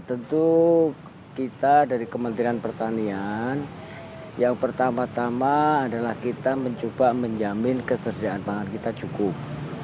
tentu kita dari kementerian pertanian yang pertama tama adalah kita mencoba menjamin ketersediaan pangan kita cukup